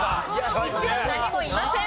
１は何もいません。